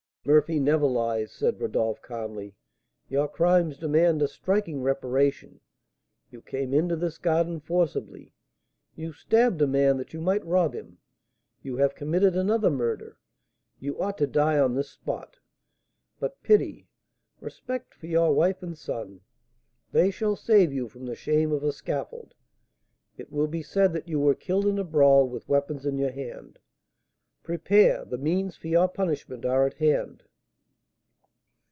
"Murphy never lies," said Rodolph, calmly. "Your crimes demand a striking reparation. You came into this garden forcibly; you stabbed a man that you might rob him; you have committed another murder; you ought to die on this spot; but pity, respect for your wife and son, they shall save you from the shame of a scaffold. It will be said that you were killed in a brawl with weapons in your hand. Prepare, the means for your punishment are at hand."